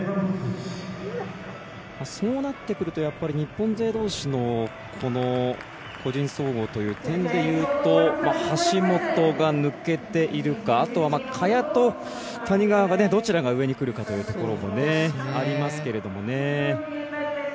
そうなってくると日本勢どうしの個人総合という点でいうと、橋本が抜けているかあとは、萱と谷川がどちらが上にくるかというところありますけどね。